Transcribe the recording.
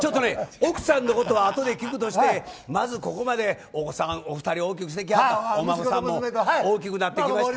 奥さんのことはあとで聞くとしてまず、ここまでお子様お二人大きくしてきはったお孫さんも大きくなってきた。